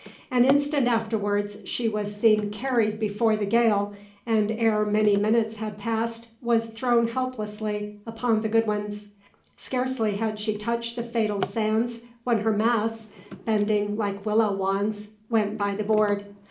An instant afterwards she was seen carried before the gale, and ere many minutes had passed was thrown helplessly upon the Goodwins. Scarcely had she touched the fatal sands when her masts, bending like willow wands, went by the board.